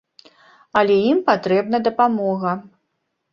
Але ім патрэбна дапамога.